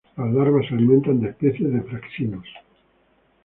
Las larvas se alimentan de especies de "Fraxinus".